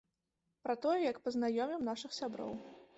Пра тое, як пазнаёмім нашых сяброў.